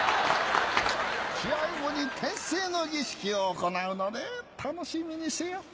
試合後に転生の儀式を行うので楽しみにせよ。